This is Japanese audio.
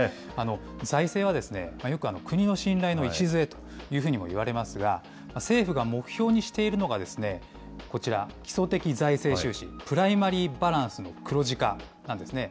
財政はよく国の信頼の礎というふうにもいわれますが、政府が目標にしているのが、こちら、基礎的財政収支・プライマリーバランスの黒字化なんですね。